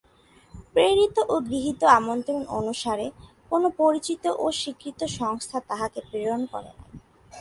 প্রেরিত ও গৃহীত আমন্ত্রণ অনুসারে কোন পরিচিত ও স্বীকৃত সংস্থা তাঁহাকে প্রেরণ করে নাই।